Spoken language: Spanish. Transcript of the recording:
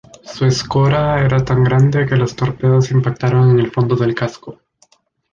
Su escora era tan grande que los torpedos impactaron en el fondo del casco.